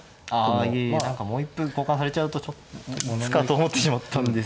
いえいえ何かもう一歩交換されちゃうとちょっと思ってしまったんですが。